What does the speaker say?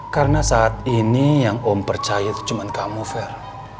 karena saat ini yang om percaya itu cuma kamu farel